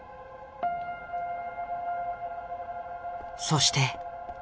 そして。